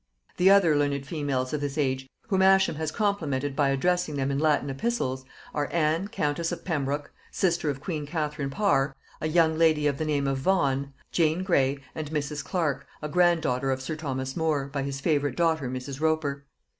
The other learned females of this age whom Ascham has complimented by addressing them in Latin epistles, are, Anne countess of Pembroke, sister of queen Catherine Parr; a young lady of the name of Vaughan; Jane Grey; and Mrs. Clark, a grand daughter of sir Thomas More, by his favorite daughter Mrs. Roper.